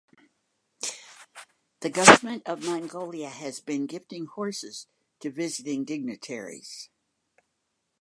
The government of Mongolia has been gifting horses to visiting dignitaries.